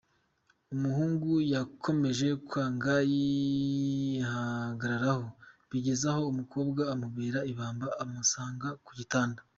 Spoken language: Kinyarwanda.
Umuhungu yakomeje kwanga yihagararaho, bigeze aho umukobwa amubera ibamba amusanga ku gitanda.